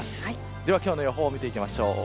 では今日の予報を見ていきます。